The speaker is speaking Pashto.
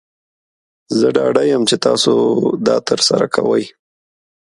زه ډاډه یم چې تاسو دا ترسره کوئ.